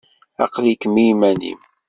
Aql-ikem iman-im.